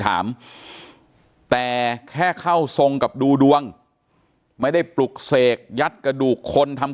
ถามแต่แค่เข้าทรงกับดูดวงไม่ได้ปลุกเสกยัดกระดูกคนทำ